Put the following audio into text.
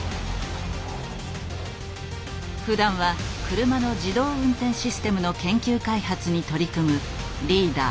ふだんは車の自動運転システムの研究開発に取り組むリーダー